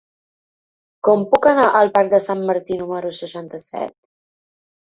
Com puc anar al parc de Sant Martí número seixanta-set?